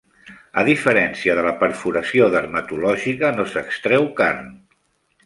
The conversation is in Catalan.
A diferència de la perforació dermatològica, no s'extreu carn.